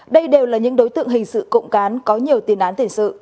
đây đều là những đối tượng hình sự cộng cán có nhiều tin án tình sự